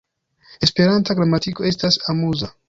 Esperanta gramatiko estas amuza!